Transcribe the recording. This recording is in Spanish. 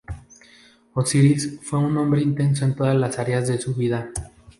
Osiris fue un hombre intenso en todas las áreas de su vida.